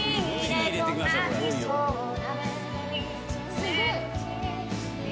すごい！